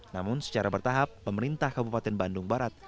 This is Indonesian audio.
namun secara bertahap pemerintah kabupaten bandung barat